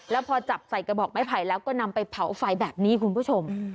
แล้วพอจับใส่กระบอกไม้ไผ่แล้วก็นำไปเผาไฟแบบนี้คุณผู้ชม